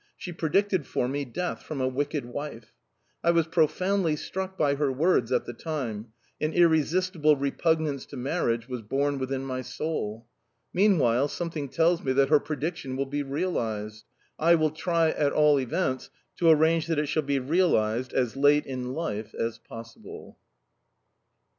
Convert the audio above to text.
She predicted for me death from a wicked wife. I was profoundly struck by her words at the time: an irresistible repugnance to marriage was born within my soul... Meanwhile, something tells me that her prediction will be realized; I will try, at all events, to arrange that it shall be realized as late in life as possible.